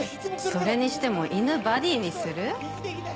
それにしても犬バディにする？